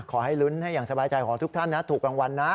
ขอให้ลุ้นให้อย่างสบายใจของทุกท่านนะถูกรางวัลนะ